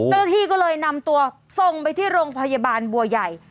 เจ้าหน้าที่ก็เลยนำตัวส่งไปที่โรงพยาบาลบัวใหญ่